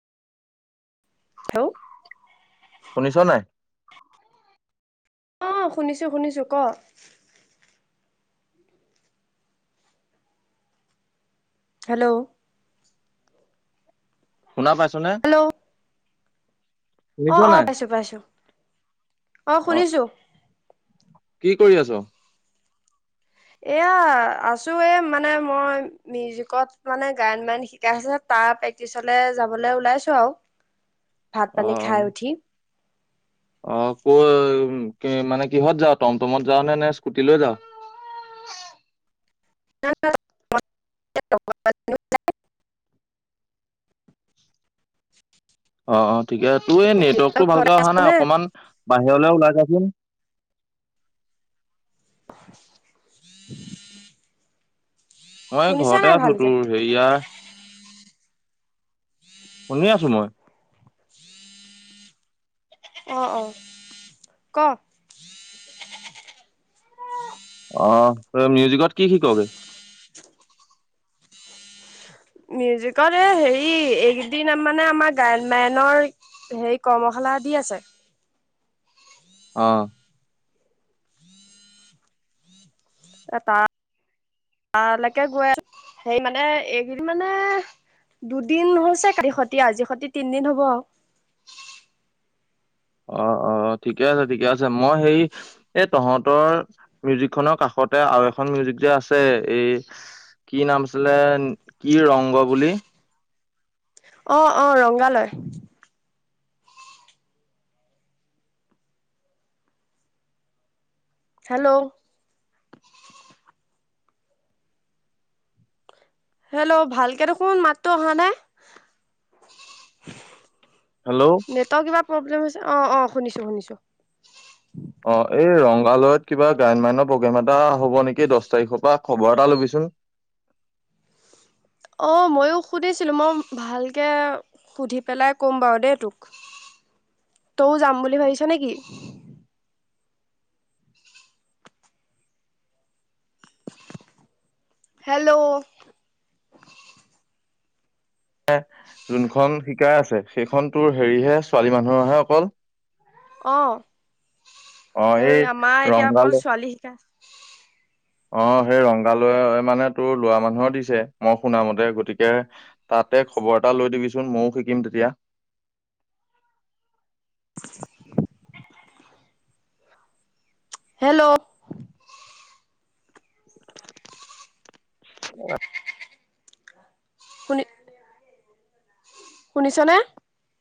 Hello শুনিছ নাই। অ', শুনিছোঁ শুনিছোঁ ক। হেল্ল'। শুনা পাইছোঁ নে। হেল্ল' অ', অ', নাই? পাইছোঁ পাইছোঁ অ', শুনিছোঁ। কি কৰি আছ? এয়া আছো এ মানে মই মিউজিকত মানে গায়ন বায়ন শিকাই আছে তাৰ প্ৰেক্টিচলে যাবলৈ ওলাইছোঁ আৰু। [unintelligible] ভাত পানী অ' খাই উঠি। অ', ক কি মানে কিহত যা টমটমত যাওঁ নে নে স্কুটিলৈ যাওঁ। [unintelligible] [unintelligible] অ', অ', ঠিকেছে তোৰ এই নেটৱৰ্কতটো ভালকে অহা নাই নে অকনমান বাহিৰলে ওলাই যাচোন। মই শুনিছা ঘৰতে নাই আছোঁ ভালকে তোৰ হেৰিয়া শুনি আছোঁ মই। অ', অ', ক অ', তই মিউজিকত কি শিক বুলো। মিউজিকত এই হেৰি এইকেইদিন মানে আমাৰ গায়ন বায়নৰ হে কৰ্মশালা দি আছে। অ'। এ তাৰ তালৈকে গৈ সেই মানে এইকেইদিন মানে দুদিন হৈছে কালি সতি আজিৰ সতি তিনদিন হ'ব। অ', অ', অ', ঠিকেই আছে, ঠিকেই আছে মই সেই এই, তহঁতৰ মিউজিকখনৰ কাষতে আৰু এখন মিউজিক যে আছে এই কি নাম আছিলে, কি ৰংগ বুলি। অ', অ', ৰংগালয়। হেল্ল'। হেল্ল', ভালকে দেখোন মাতটো অহা নাই। হেল্ল'। নেটৰ কিবা প্ৰব্লেম হৈছে, অ', অ', শুনিছোঁ, শুনিছোঁ। অ', এই ৰংগালয়ত কিবা গায়ন-বায়নৰ প্ৰগ্ৰাম এটা হ'ব নেকি, দশ তাৰিখৰ পৰা খবৰ এটা ল'বিচোন। অ', মইও শুনিছিলোঁ মই ভালকে সুধি পেলাই ক'ম বাৰু দেই তোক তইও যাম বুলি ভাবিছ নেকি? হেল্ল'। যোনখন শিকাই আছে, সেইখন তোৰ হেৰিহে, ছোৱালী মানুহৰহে অকল। অ', অ এই সেই আমাৰ এতিয়া অকল ৰংগালয় ছোৱালী শিকাই। অ', সেই ৰংগালয়ত মানে, তোৰ ল'ৰা মানুহক দিছে মই শুনামতে গতিকে তাতে খবৰ এটা লৈ দিবিচোন। ময়ো শিকিম তেতিয়া। হেল্ল'। [unintelligible] [unintelligible] শুনিছনে?